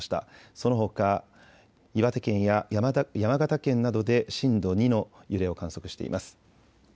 そのほか岩手県や山形県などで震度２の揺れを観測しています。